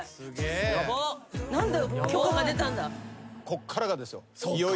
こっからがですよ。